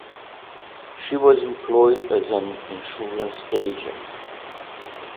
She was employed as an insurance agent.